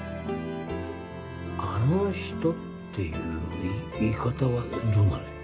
「あの人」っていう言い方はどうなのよ？